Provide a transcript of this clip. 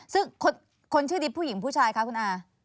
ซึ่งคนชื่อดิบผู้หญิงผู้ชายคะคุณอา